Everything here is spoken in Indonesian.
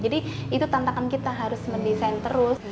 jadi itu tantangan kita harus mendesain terus